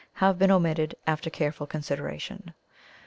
have been omitted after careful consideration.